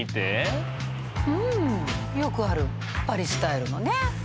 うんよくあるパリスタイルのね